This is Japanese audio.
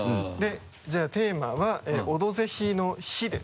じゃあテーマは「オドぜひ」の「ひ」で。